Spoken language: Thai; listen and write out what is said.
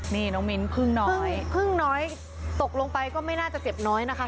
นี่น้องมิ้นพึ่งน้อยพึ่งน้อยตกลงไปก็ไม่น่าจะเจ็บน้อยนะคะ